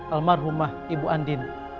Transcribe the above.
almarhumah ibu andin